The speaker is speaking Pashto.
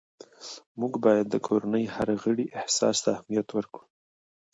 موږ باید د کورنۍ هر غړي احساس ته اهمیت ورکړو